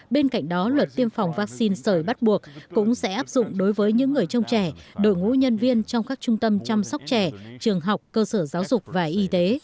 bên cạnh đó luật tiêm phòng vaccine sợi bắt buộc cũng sẽ áp dụng đối với những người trông trẻ đội ngũ nhân viên trong các trung tâm chăm sóc trẻ trường học cơ sở giáo dục và y tế